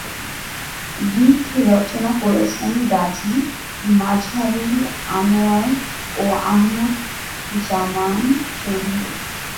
গীত রচনা করেছেন গাজী মাজহারুল আনোয়ার ও আহমদ জামান চৌধুরী।